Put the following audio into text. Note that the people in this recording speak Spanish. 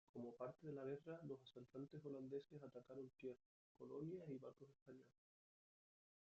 Como parte de la guerra, los asaltantes holandeses atacaron tierras, colonias y barcos españoles.